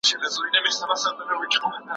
سياسي څېړونکي تل د ننګونو سره مخ وي.